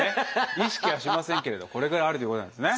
意識はしませんけれどこれぐらいあるということなんですね。